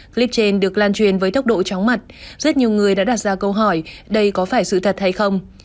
clip trên được lan truyền với tốc độ chóng mặt rất nhiều người đã đặt ra câu hỏi đây có phải sự thật hay không